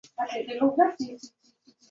后任掌广东道监察御史。